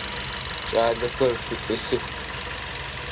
Кӏалэхэр, шъутӏысых!